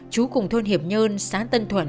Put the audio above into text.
chú cùng thôn hiệp nhơn xã tân thuận